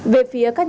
về phía các học sinh